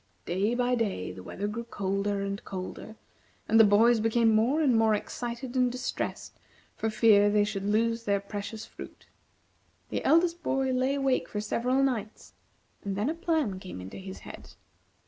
Day by day the weather grew colder and colder, and the boys became more and more excited and distressed for fear they should lose their precious fruit. The eldest boy lay awake for several nights, and then a plan came into his head.